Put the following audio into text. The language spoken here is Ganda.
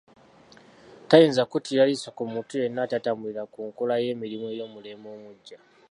Tayinza kuttira liiso ku muntu yenna atatambulira mu nkola y'emirimu ey'omulembe omuggya